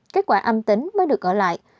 kết quả âm tính mới được ở lại